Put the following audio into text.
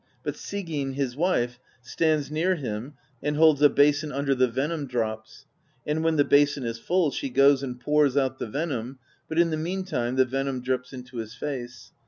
But Sigyn, his wife, stands near him and holds a basin under the venom drops; and when the basin is full, she goes and pours out the venom, but in the meantime the venom drips into his face.